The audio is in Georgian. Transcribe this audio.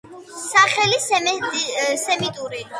სახელი სემიტური წარმოშობისაა.